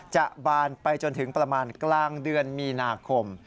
บานไปจนถึงประมาณกลางเดือนมีนาคม